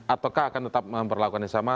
ataukah akan tetap memperlakukan yang sama